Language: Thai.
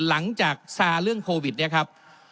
หลังจากซาเรื่องโควิดเนี่ยครับ